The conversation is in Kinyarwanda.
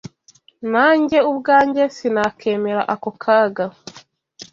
Nanjye ubwanjye sinakemera ako kaga